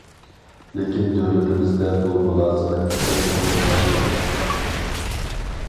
لېكىن دۆلىتىمىزدە بۇ مۇلازىمەت تېخى ئومۇملاشمىدى.